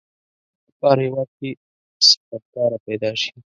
په هر هیواد کې ستمکاره پیداشي.